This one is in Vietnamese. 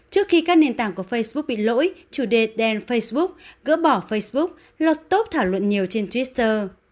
trước khi các nền tảng của facebook bị lỗi chủ đề đèn facebook gỡ bỏ facebook lọt top thảo luận nhiều trên twitter